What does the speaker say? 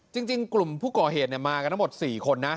จริงกลุ่มผู้ก่อเหตุมากันทั้งหมด๔คนนะ